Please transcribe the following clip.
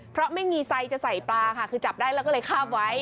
เพราะไม่มีไซจะใส่ปลาค่ะคือจับได้แล้วก็เลยคาบไว้